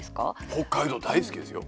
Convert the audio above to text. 北海道、大好きですよ。